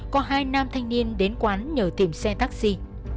có hai nam thanh niên đến quán nhờ tìm xe taxi